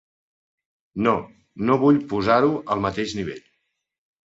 No, no vull posar-ho al mateix nivell.